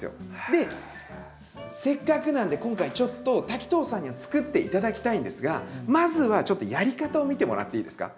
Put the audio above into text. でせっかくなんで今回ちょっと滝藤さんにはつくって頂きたいんですがまずはちょっとやり方を見てもらっていいですか。